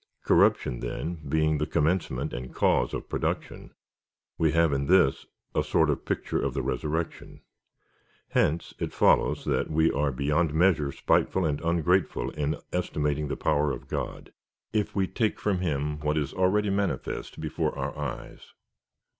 Corruption, then, being the commencement and cause of production, we have in this a sort of picture of the resurrection. Hence it follow\s, that we are beyond measure spiteful and ungrateful in estimating the power of God, if w^e take from him wdiat is already manifest before our eyes.